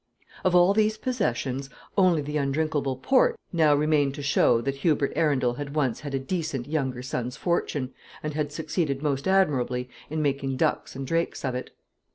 Of all these possessions, only the undrinkable port now remained to show that Hubert Arundel had once had a decent younger son's fortune, and had succeeded most admirably in making ducks and drakes of it.